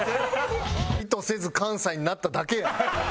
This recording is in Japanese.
意図せず関西になっただけや！